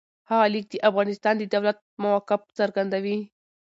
هغه لیک د افغانستان د دولت موقف څرګندوي.